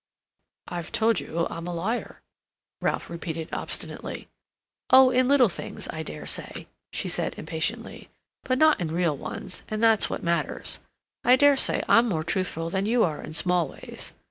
"I've told you I'm a liar," Ralph repeated obstinately. "Oh, in little things, I dare say," she said impatiently. "But not in real ones, and that's what matters. I dare say I'm more truthful than you are in small ways.